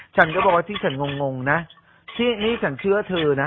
ฉันก็บอกว่าที่ฉันงงนะที่นี่ฉันเชื่อเธอนะ